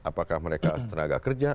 apakah mereka tenaga kerja